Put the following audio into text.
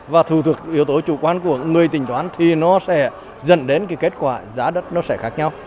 và phù thuộc yếu tố chủ quan của người tính toán thì nó sẽ dẫn đến kết quả giá đất nó sẽ khác nhau